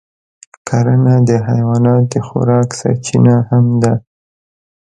کرنه د حیواناتو د خوراک سرچینه هم ده.